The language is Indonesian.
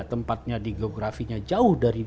tempatnya di geografinya jauh dari